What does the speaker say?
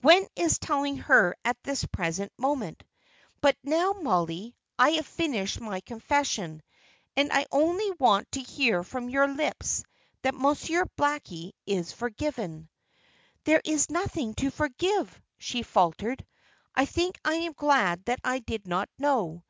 Gwen is telling her at this present moment. But now, Mollie, I have finished my confession, and I only want to hear from your lips that Monsieur Blackie is forgiven." "There is nothing to forgive," she faltered. "I think I am glad that I did not know.